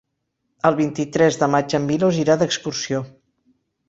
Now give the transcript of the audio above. El vint-i-tres de maig en Milos irà d'excursió.